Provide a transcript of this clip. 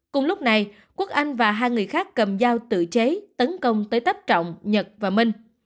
cùng lúc này quốc anh và hai người khác cầm dao tự chế tấn công tới tấp trọng nhật và minh